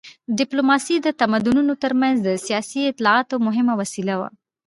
ډیپلوماسي د تمدنونو تر منځ د سیاسي اطلاعاتو مهمه وسیله وه